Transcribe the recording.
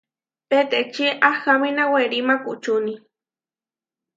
Peʼtečí ahamína werí maʼkučúni.